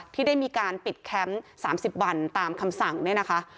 ที่ได้มีการปิดแคมป์๓๐วันตามคำสั่งเนี่ยนะคะ